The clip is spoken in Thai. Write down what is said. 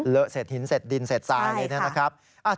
เหลอะเสร็จหินเสร็จดินเสร็จตายอย่างนี้นะครับค่ะค่ะ